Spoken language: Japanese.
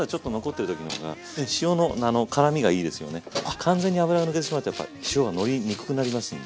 完全に油が抜けてしまうとやっぱ塩がのりにくくなりますんで。